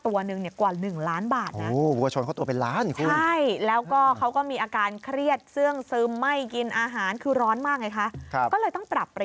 วิธีการเลี้ยงใหม่ค่ะ